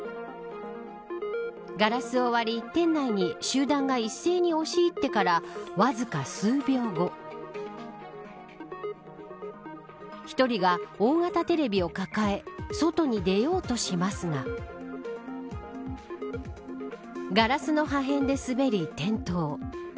ガラスを割り店内に集団が一斉に押し入ってからわずか数秒後１人が大型テレビを抱え外に出ようとしますがガラスの破片で滑り、転倒。